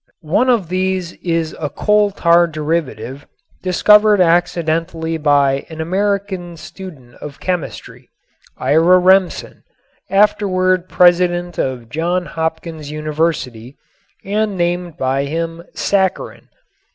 One of these is a coal tar derivative, discovered accidentally by an American student of chemistry, Ira Remsen, afterward president of Johns Hopkins University, and named by him "saccharin."